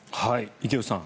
池内さん